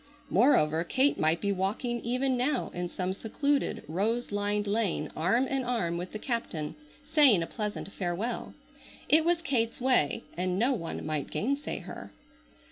Moreover Kate might be walking even now in some secluded, rose lined lane arm in arm with the captain, saying a pleasant farewell. It was Kate's way and no one might gainsay her.